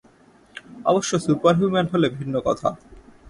অবশ্য super human হলে ভিন্ন কথা!